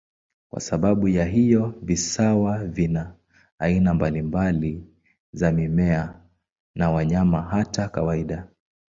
Kwa sababu ya hayo, visiwa vina aina mbalimbali za mimea na wanyama, hata kawaida.